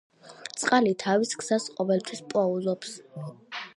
წყალი თავის გზას ყოველთვის პოულობს.